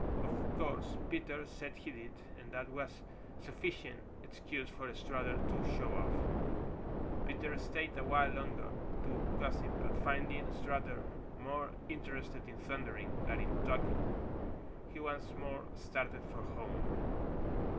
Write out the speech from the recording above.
Of course Peter said he did, and that was sufficient excuse for Strutter to show off. Peter stayed a while longer to gossip, but finding Strutter more interested in thundering than in talking, he once more started for home.